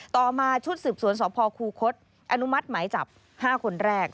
ต่อมาชุดสืบสวนสพคูคศอนุมัติหมายจับ๕คนแรก